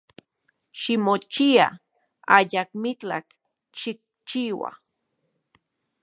Ximochia, ayakmitlaj xikchiua.